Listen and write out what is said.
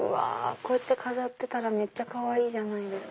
こうやって飾ってたらめちゃかわいいじゃないですか。